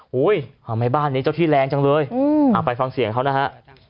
ทำไมบ้านนี้เจ้าที่แรงจังเลยไปฟังเสียงเขานะฮะ